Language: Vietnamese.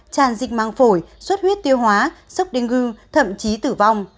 tràn dịch măng phổi suốt huyết tiêu hóa sốc đinh gư thậm chí tử vong